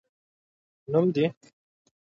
نوم دي؟